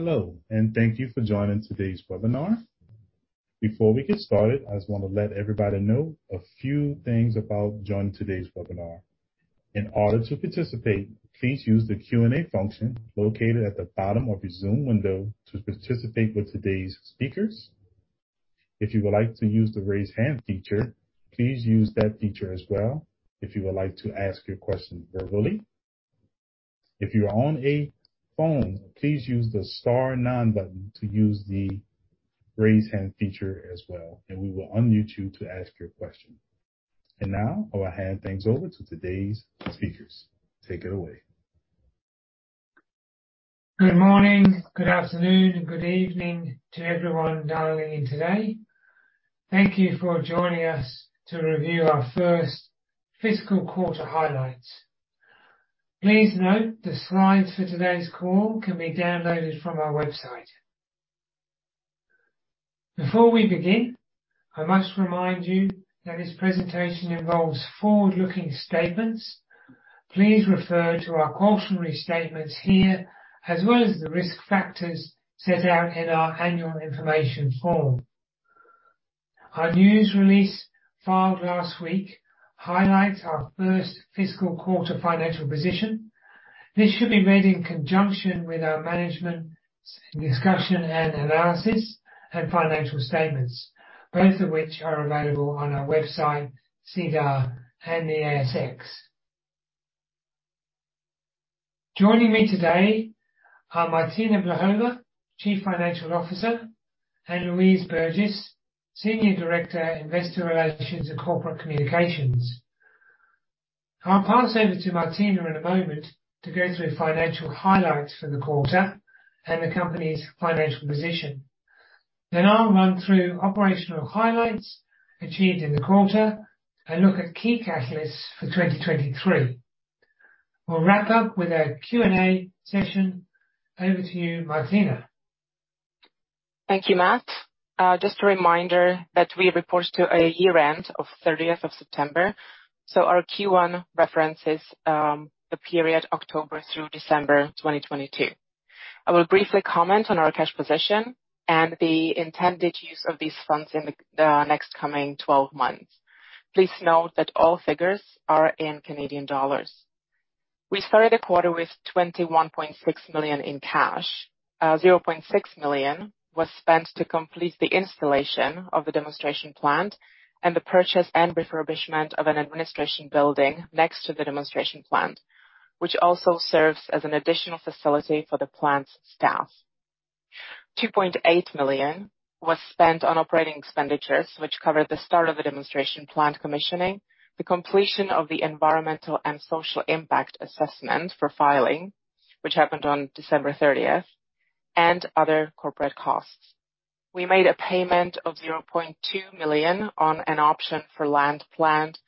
Hello. Thank you for joining today's webinar. Before we get started, I just wanna let everybody know a few things about joining today's webinar. In order to participate, please use the Q&A function located at the bottom of your Zoom window to participate with today's speakers. If you would like to use the Raise Hand feature, please use that feature as well if you would like to ask your question verbally. If you're on a phone, please use the star nine button to use the Raise Hand feature as well, and we will unmute you to ask your question. Now I'll hand things over to today's speakers. Take it away. Good morning, good afternoon, and good evening to everyone dialing in today. Thank you for joining us to review our Q1 fiscal highlights. Please note the slides for today's call can be downloaded from our website. Before we begin, I must remind you that this presentation involves forward-looking statements. Please refer to our cautionary statements here, as well as the risk factors set out in our annual information form. Our news release filed last week highlights our first fiscal quarter financial position. This should be read in conjunction with our management's discussion and analysis and financial statements, both of which are available on our website, SEDAR, and the ASX. Joining me today are Martina Blahova, Chief Financial Officer, and Louise Burgess, Senior Director, Investor Relations and Corporate Communications. I'll pass over to Martina in a moment to go through financial highlights for the quarter and the company's financial position. I'll run through operational highlights achieved in the quarter and look at key catalysts for 2023. We'll wrap up with a Q&A session. Over to you, Martina. Thank you, Matt. Just a reminder that we report to a year-end of 30th of September, so our Q1 reference is the period October through December 2022. I will briefly comment on our cash position and the intended use of these funds in the next coming 12 months. Please note that all figures are in Canadian dollars. We started the quarter with 21.6 million in cash. 0.6 million was spent to complete the installation of the Demonstration Plant and the purchase and refurbishment of an administration building next to the Demonstration Plant, which also serves as an additional facility for the plant's staff. 2.8 million was spent on OpEx, which covered the start of the Demonstration Plant commissioning, the completion of the environmental and social impact assessment for filing, which happened on December 30th, and other corporate costs. We made a payment of 0.2 million on an option for land planned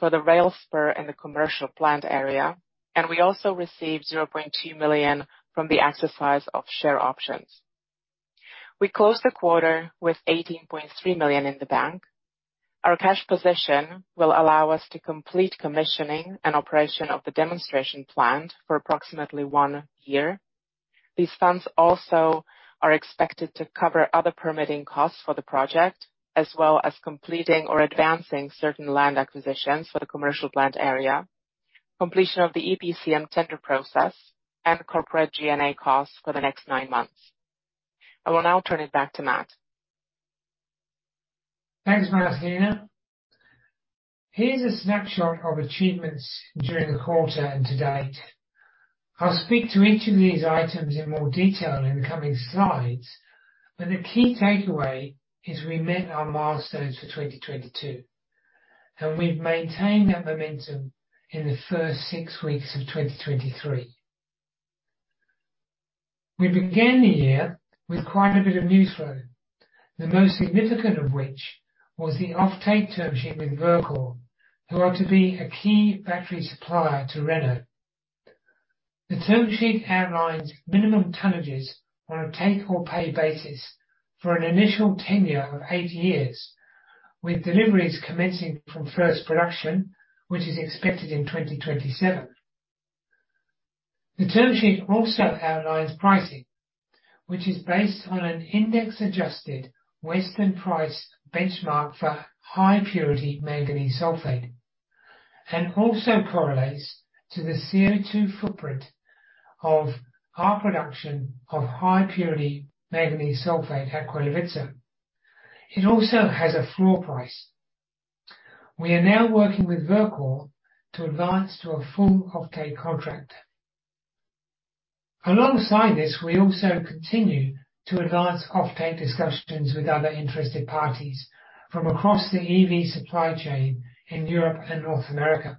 for the railway spur and the commercial plant area. We also received 0.2 million from the exercise of share options. We closed the quarter with 18.3 million in the bank. Our cash position will allow us to complete commissioning and operation of the Demonstration Plant for approximately one year. These funds also are expected to cover other permitting costs for the project, as well as completing or advancing certain land acquisitions for the commercial plant area, completion of the EPCM tender process, and corporate G&A costs for the next nine months. I will now turn it back to Matt. Thanks, Martina. Here's a snapshot of achievements during the quarter and to date. I'll speak to each of these items in more detail in the coming slides, but the key takeaway is we met our milestones for 2022. We've maintained that momentum in the first six weeks of 2023. We began the year with quite a bit of news flow, the most significant of which was the offtake term sheet with Verkor, who are to be a key battery supplier to Renault. The term sheet outlines minimum tonnages on a take or pay basis for an initial tenure of 8 years, with deliveries commencing from first production, which is expected in 2027. The term sheet also outlines pricing, which is based on an index-adjusted Western price benchmark for high-purity manganese sulfate and also correlates to the CO2 footprint of our production of high-purity manganese sulfate at Chvaletice. It also has a floor price. We are now working with Verkor to advance to a full offtake contract. Alongside this, we also continue to advance offtake discussions with other interested parties from across the EV supply chain in Europe and North America.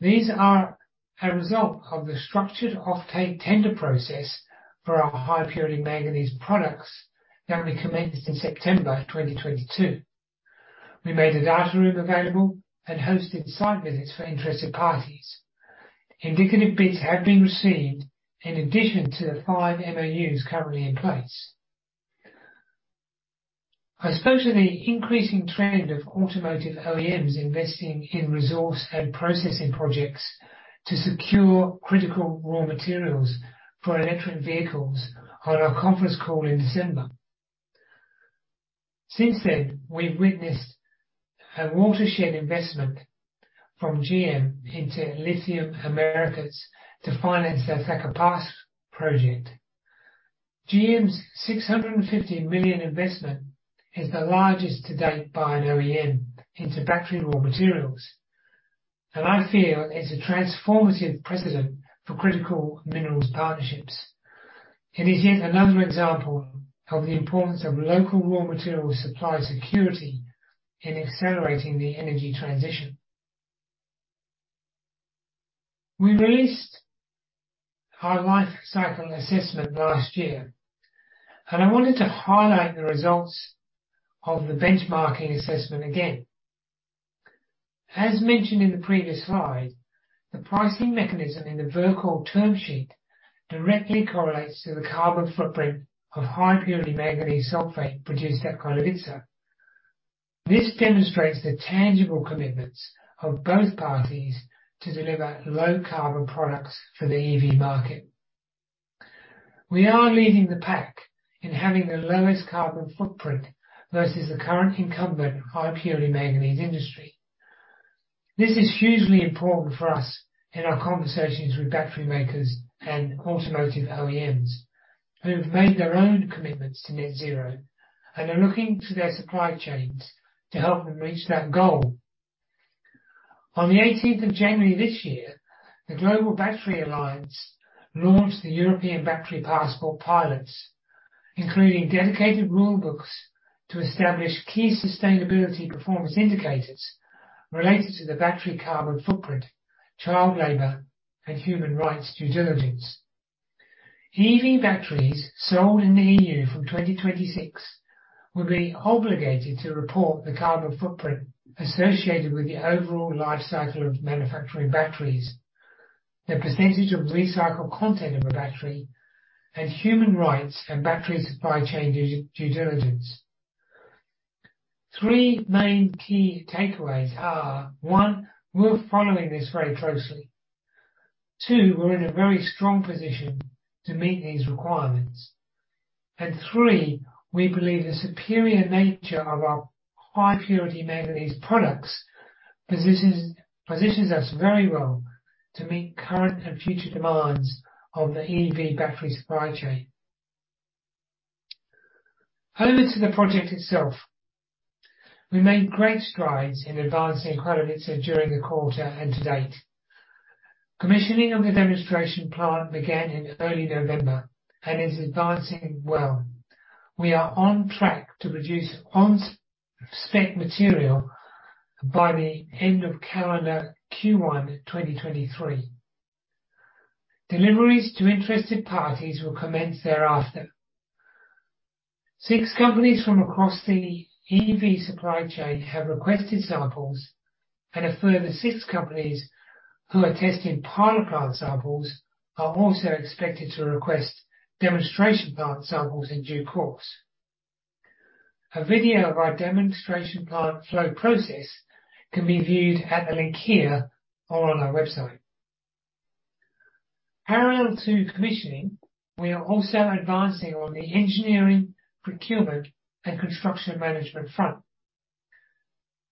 These are a result of the structured offtake tender process for our high-purity manganese products that we commenced in September of 2022. We made a data room available and hosted site visits for interested parties. Indicative bids have been received in addition to the 5 MOUs currently in place. I spoke to the increasing trend of automotive OEMs investing in resource and processing projects to secure critical raw materials for electric vehicles on our conference call in December. Since then, we've witnessed a watershed investment from GM into Lithium Americas to finance their Thacker Pass project. GM's $650 million investment is the largest to date by an OEM into battery raw materials, and I feel it's a transformative precedent for critical minerals partnerships, and is yet another example of the importance of local raw material supply security in accelerating the energy transition. We released our life cycle assessment last year, and I wanted to highlight the results of the benchmarking assessment again. As mentioned in the previous slide, the pricing mechanism in the Verkor term sheet directly correlates to the carbon footprint of high-purity manganese sulfate produced at Chvaletice. This demonstrates the tangible commitments of both parties to deliver low carbon products for the EV market. We are leading the pack in having the lowest carbon footprint versus the current incumbent high-purity manganese industry. This is hugely important for us in our conversations with battery makers and automotive OEMs who have made their own commitments to net zero and are looking to their supply chains to help them reach that goal. On the 18th of January this year, the Global Battery Alliance launched the European Battery Passport pilots, including dedicated rule books to establish key sustainability performance indicators related to the battery carbon footprint, child labor, and human rights due diligence. EV batteries sold in the EU from 2026 will be obligated to report the carbon footprint associated with the overall life cycle of manufacturing batteries, the percentage of recycled content of a battery, and human rights and battery supply chain due diligence. Three main key takeaways are: One, we're following this very closely. Two, we're in a very strong position to meet these requirements. Three, we believe the superior nature of our high-purity manganese products positions us very well to meet current and future demands of the EV battery supply chain. Over to the project itself. We made great strides in advancing Chvaletice during the quarter and to date. Commissioning of the Demonstration Plant began in early November and is advancing well. We are on track to produce on-spec material by the end of calendar Q1 2023. Deliveries to interested parties will commence thereafter. Six companies from across the EV supply chain have requested samples and a further six companies who are testing pilot plant samples are also expected to request Demonstration Plant samples in due course. A video of our Demonstration Plant flow process can be viewed at the link here or on our website. Parallel to commissioning, we are also advancing on the engineering, procurement, and construction management front.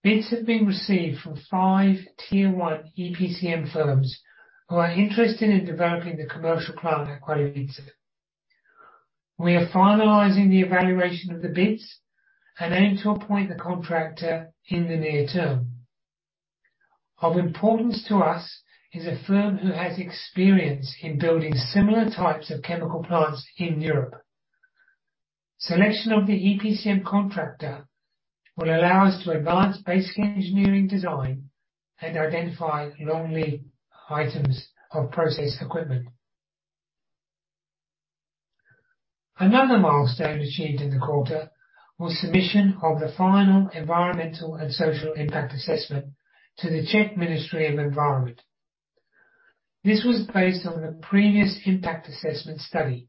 Bids have been received from 5 tier one EPCM firms who are interested in developing the commercial plant at Chvaletice. We are finalizing the evaluation of the bids and aim to appoint the contractor in the near term. Of importance to us is a firm who has experience in building similar types of chemical plants in Europe. Selection of the EPCM contractor will allow us to advance basic engineering design and identify long lead items of process equipment. Another milestone achieved in the quarter was submission of the final environmental and social impact assessment to the Czech Ministry of Environment. This was based on the previous impact assessment study,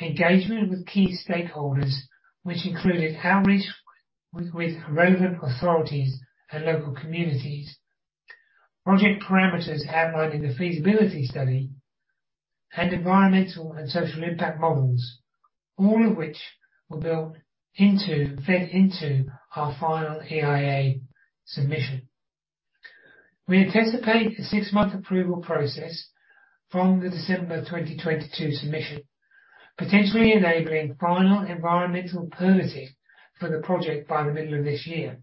engagement with key stakeholders, which included outreach with relevant authorities and local communities, project parameters outlined in the feasibility study, and environmental and social impact models, all of which were fed into our final EIA submission. We anticipate a six-month approval process from the December 2022 submission, potentially enabling final environmental permitting for the project by the middle of this year.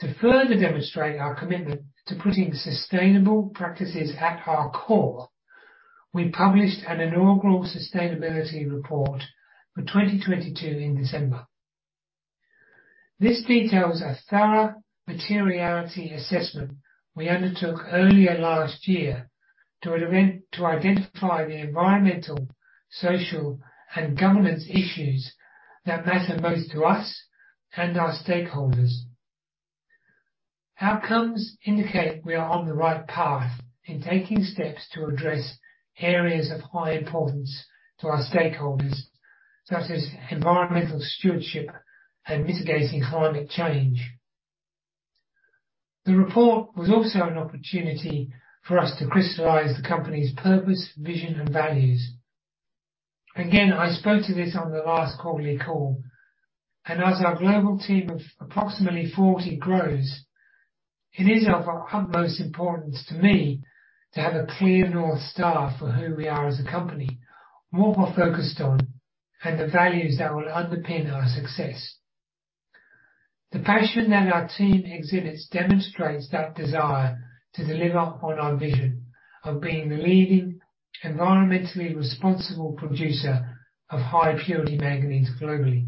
To further demonstrate our commitment to putting sustainable practices at our core, we published an inaugural sustainability report for 2022 in December. This details a thorough materiality assessment we undertook earlier last year to identify the environmental, social, and governance issues that matter most to us and our stakeholders. Outcomes indicate we are on the right path in taking steps to address areas of high importance to our stakeholders, such as environmental stewardship and mitigating climate change. The report was also an opportunity for us to crystallize the company's purpose, vision, and values. I spoke to this on the last quarterly call, as our global team of approximately 40 grows, it is of utmost importance to me to have a clear North Star for who we are as a company, what we're focused on, and the values that will underpin our success. The passion that our team exhibits demonstrates that desire to deliver on our vision of being the leading environmentally responsible producer of high-purity manganese globally.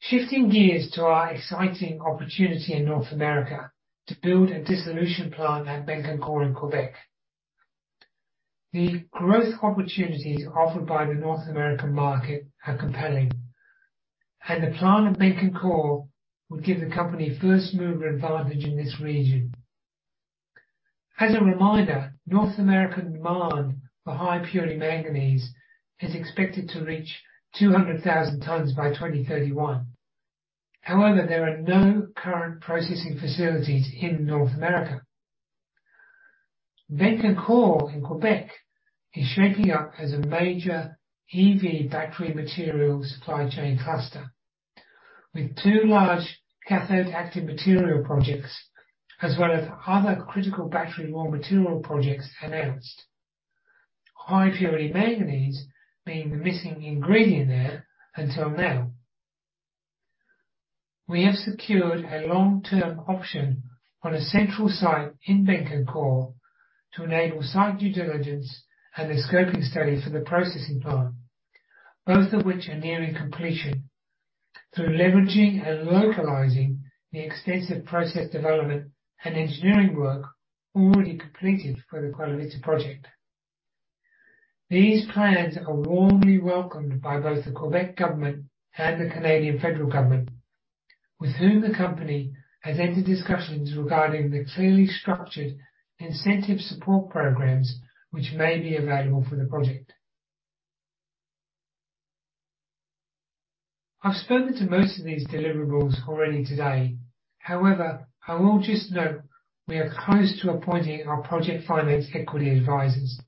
Shifting gears to our exciting opportunity in North America to build a Dissolution Plant at Bécancour in Quebec. The growth opportunities offered by the North American market are compelling, and the plant at Bécancour would give the company first-mover advantage in this region. As a reminder, North American demand for high-purity manganese is expected to reach 200,000 tons by 2031. However, there are no current processing facilities in North America. Bécancour in Quebec is shaping up as a major EV battery material supply chain cluster with two large cathode active material projects as well as other critical battery raw material projects announced. High-purity manganese being the missing ingredient there until now. We have secured a long-term option on a central site in Bécancour to enable site due diligence and a scoping study for the processing plant, both of which are nearing completion, through leveraging and localizing the extensive process development and engineering work already completed for the Chvaletice project. These plans are warmly welcomed by both the Quebec government and the Canadian federal government, with whom the company has entered discussions regarding the clearly structured incentive support programs which may be available for the project. I've spoken to most of these deliverables already today. However, I will just note we are close to appointing our project finance equity advisors.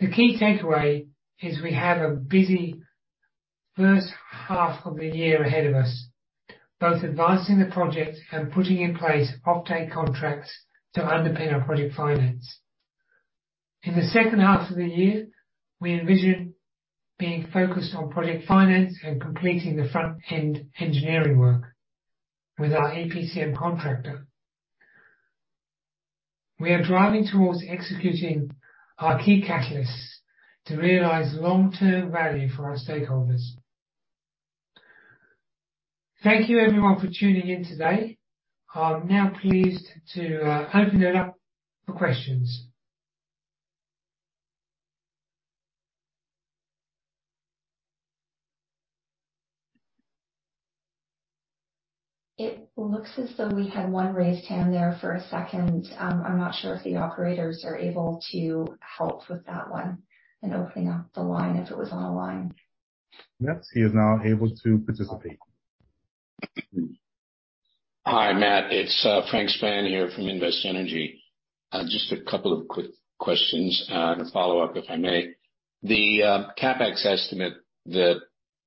The key takeaway is we have a busy first half of the year ahead of us, both advancing the project and putting in place offtake contracts to underpin our project finance. In the H2 of the year, we envision being focused on project finance and completing the front-end engineering work with our EPCM contractor. We are driving towards executing our key catalysts to realize long-term value for our stakeholders. Thank you everyone for tuning in today. I'm now pleased to open it up for questions. It looks as though we had one raised hand there for a second. I'm not sure if the operators are able to help with that one and opening up the line if it was on a line. Yes, he is now able to participate. Hi, Matt. It's Frank Spanagon here from Invest Energy. Just a couple of quick questions to follow up, if I may. The CapEx estimate that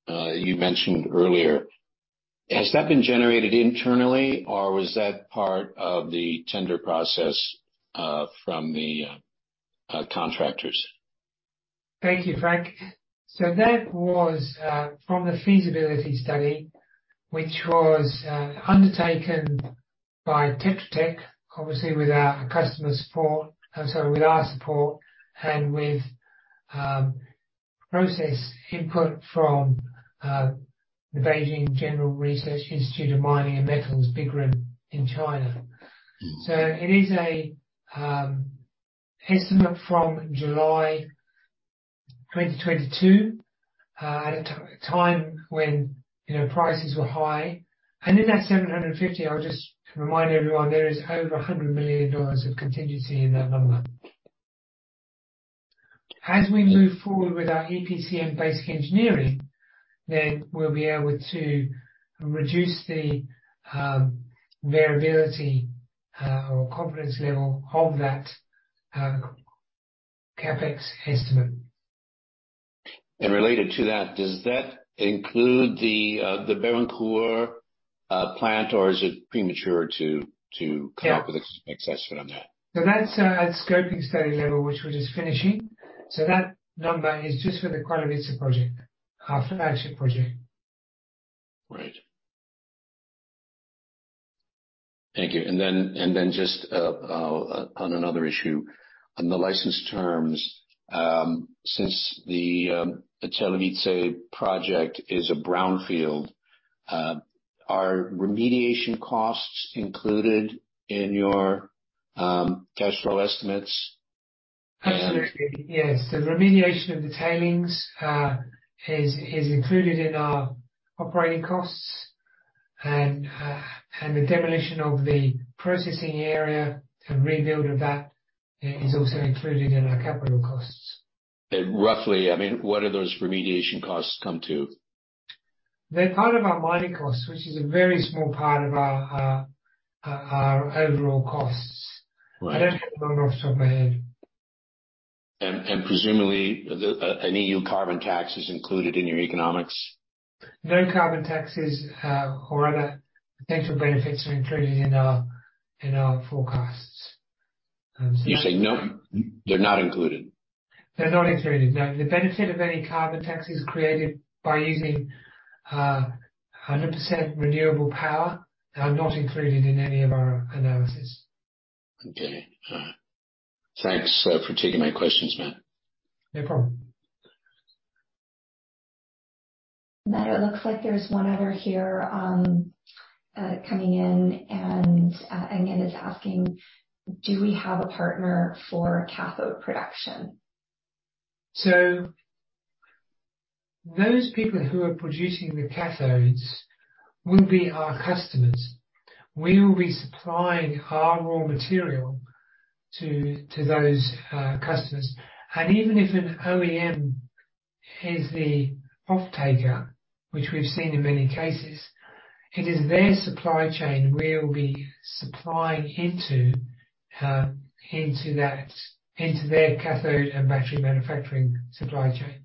you mentioned earlier, has that been generated internally or was that part of the tender process from the contractors? Thank you, Frank. That was from the feasibility study, which was undertaken by Tetra Tech, obviously with our customer support, so with our support and with process input from the Beijing General Research Institute of Mining and Metallurgy, BGRIMM, in China. It is a estimate from July 2022 at a time when, you know, prices were high. In that 750, I'll just remind everyone, there is over 100 million dollars of contingency in that number. As we move forward with our EPCM basic engineering, then we'll be able to reduce the variability or confidence level of that CapEx estimate. Related to that, does that include the Bécancour plant, or is it premature to come up with an CapEx estimate on that? That's at scoping study level, which we're just finishing. That number is just for the Chvaletice project, our flagship project. Right. Thank you. Just on another issue, on the license terms, since the Chvaletice project is a brownfield, are remediation costs included in your cash flow estimates? Absolutely. Yes. The remediation of the tailings, is included in our operating costs and the demolition of the processing area and rebuild of that, is also included in our capital costs. Roughly, I mean, what do those remediation costs come to? They're part of our mining costs, which is a very small part of our overall costs. Right. I don't have the number off the top of my head. Presumably an EU carbon tax is included in your economics? No carbon taxes, or other potential benefits are included in our, in our forecasts. You say no. They're not included. They're not included. No. The benefit of any carbon tax is created by using, 100% renewable power are not included in any of our analysis. Okay. All right. Thanks for taking my questions, Matt. No problem. Matt, it looks like there's one other here, coming in and, again, is asking, do we have a partner for cathode production? Those people who are producing the cathodes will be our customers. We will be supplying our raw material to those customers. Even if an OEM is the off-taker, which we've seen in many cases, it is their supply chain we'll be supplying into that, into their cathode and battery manufacturing supply chain.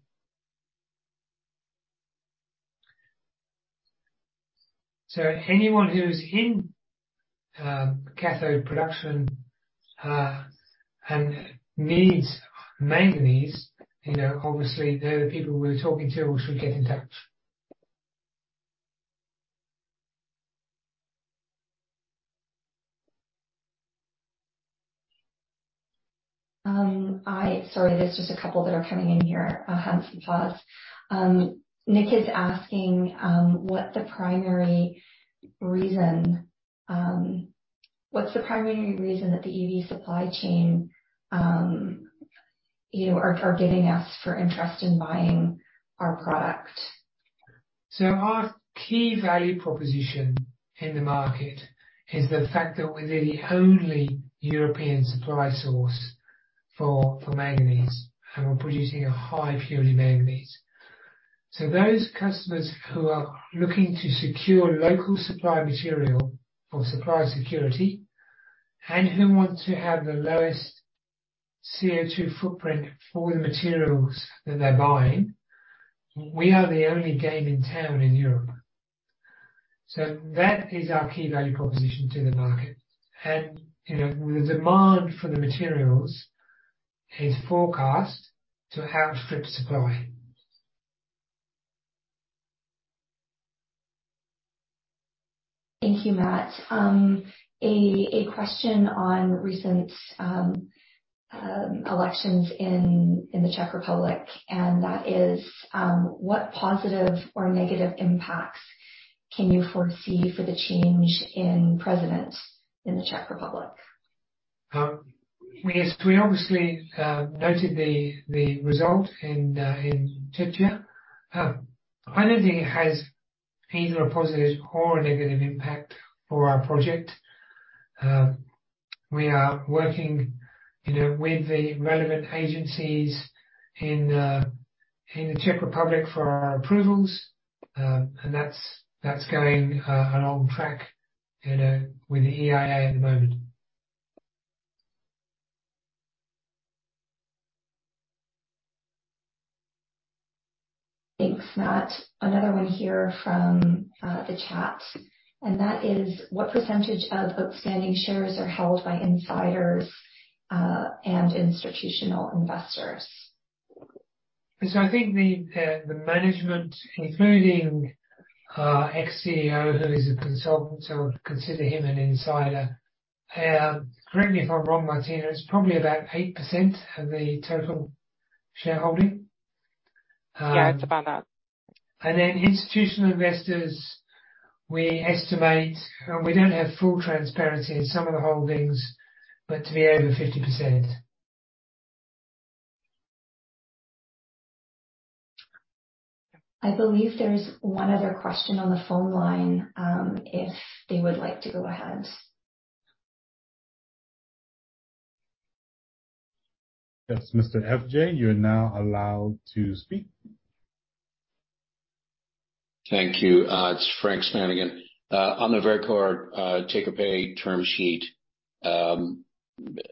Anyone who's in cathode production and needs manganese, you know, obviously they're the people we're talking to or should get in touch. Sorry, there's just a couple that are coming in here. I'll have some pause. Nick is asking, what the primary reason, what's the primary reason that the EV supply chain, you know, are giving us for interest in buying our product? Our key value proposition in the market is the fact that we're the only European supply source for manganese, and we're producing a high-purity manganese. Those customers who are looking to secure local supply material for supply security and who want to have the lowest CO2 footprint for the materials that they're buying, we are the only game in town in Europe. That is our key value proposition to the market. You know, the demand for the materials is forecast to outstrip supply. Thank you, Matt. A question on recent elections in the Czech Republic, and that is, what positive or negative impacts can you foresee for the change in president in the Czech Republic? Yes. We obviously noted the result in Czechia. I don't think it has either a positive or a negative impact for our project. We are working, you know, with the relevant agencies in the Czech Republic for our approvals. That's going along track, you know, with the EIA at the moment. Thanks, Matt. Another one here from the chat and that is, what percentage of outstanding shares are held by insiders and institutional investors? I think the management, including our ex-CEO who is a consultant, so I would consider him an insider. Correct me if I'm wrong, Martina, it's probably about 8% of the total shareholding. Yeah, it's about that. Institutional investors, we estimate, and we don't have full transparency in some of the holdings, but to be over 50%. I believe there's one other question on the phone line, if they would like to go ahead. Yes. Mr. F.J., you are now allowed to speak. Thank you. It's Frank Spanagon. On the Verkor take or pay term sheet,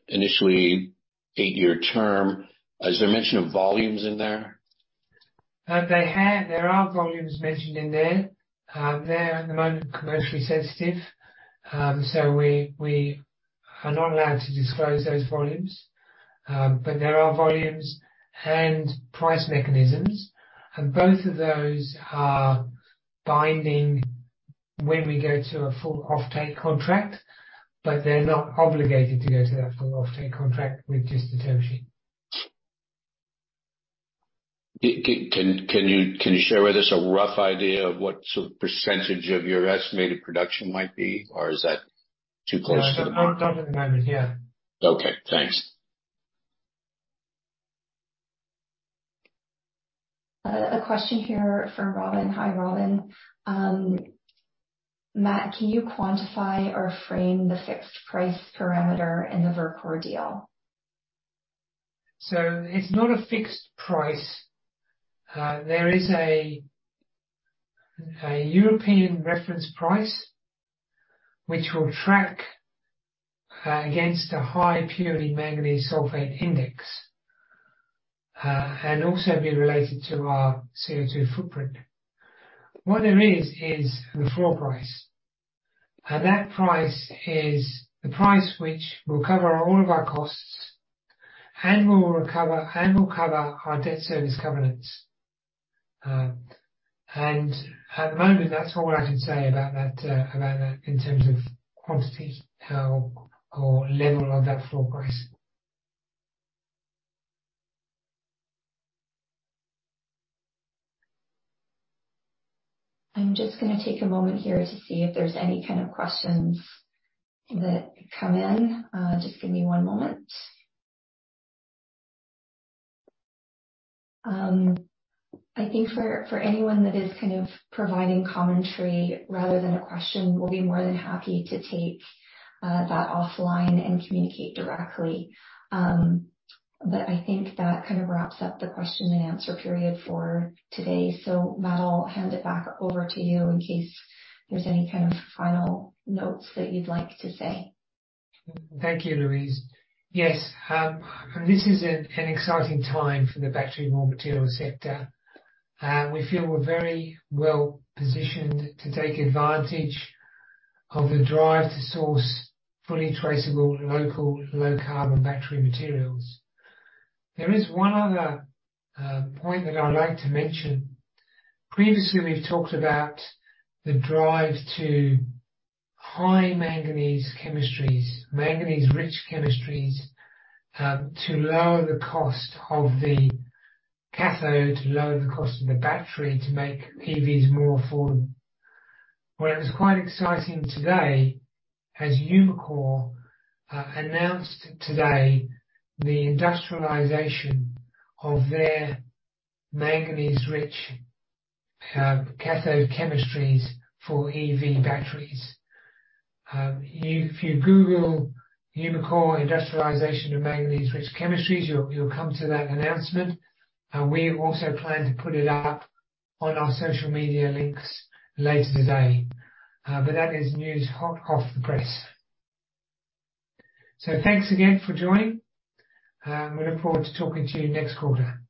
initially eight-year term, is there mention of volumes in there? There are volumes mentioned in there. They're at the moment commercially sensitive. We are not allowed to disclose those volumes. There are volumes and price mechanisms and both of those are binding when we go to a full off-take contract. They're not obligated to go to that full off-take contract with just the term sheet. Can you share with us a rough idea of what sort of percentage of your estimated production might be, or is that too close to the market? No, that's confidential. Yeah. Okay. Thanks. A question here from Robin. Hi, Robin. Matt, can you quantify or frame the fixed price parameter in the Verkor deal? It's not a fixed price. There is a European reference price which will track against a high-purity manganese sulfate index and also be related to our CO2 footprint. What there is the floor price. That price is the price which will cover all of our costs and will cover our debt service covenants. At the moment, that's all I can say about that, about that in terms of quantity, how or level of that floor price. I'm just gonna take a moment here to see if there's any kind of questions that come in. Just give me one moment. I think for anyone that is kind of providing commentary rather than a question, we'll be more than happy to take that offline and communicate directly. I think that kind of wraps up the question and answer period for today. Matt, I'll hand it back over to you in case there's any kind of final notes that you'd like to say. Thank you, Louise. Yes. This is an exciting time for the battery raw material sector. We feel we're very well positioned to take advantage of the drive to source fully traceable, local, low carbon battery materials. There is one other point that I'd like to mention. Previously, we've talked about the drive to high manganese chemistries, manganese rich chemistries, to lower the cost of the cathode, to lower the cost of the battery, to make EVs more affordable. Well, it was quite exciting today as Umicore announced today the industrialization of their manganese rich cathode chemistries for EV batteries. If you google Umicore industrialization of manganese rich chemistries, you'll come to that announcement. We also plan to put it up on our social media links later today. That is news hot off the press. Thanks again for joining, and we look forward to talking to you next quarter.